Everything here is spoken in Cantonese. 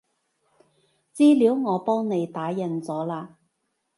資料我幫你打印咗喇